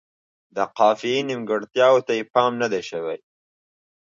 د قافیې نیمګړتیاوو ته یې پام نه دی شوی.